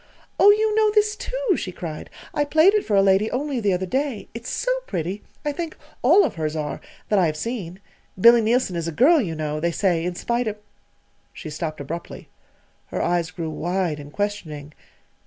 "Oh, you know this, too!" she cried. "I played it for a lady only the other day. It's so pretty, I think all of hers are, that I have seen. Billy Neilson is a girl, you know, they say, in spite of " She stopped abruptly. Her eyes grew wide and questioning.